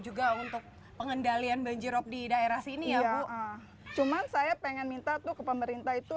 juga untuk pengendalian banjirop di daerah sini ya bu cuman saya pengen minta tuh ke pemerintah itu